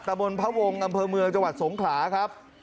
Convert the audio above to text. บนพระวงศ์อำเภอเมืองจังหวัดสงขลาครับ